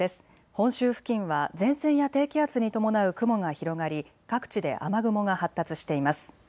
本州付近は前線や低気圧に伴う雲が広がり各地で雨雲が発達しています。